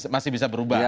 masih bisa berubah